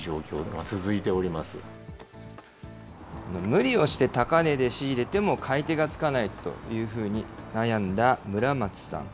無理をして高値で仕入れても、買い手がつかないというふうに悩んだ村松さん。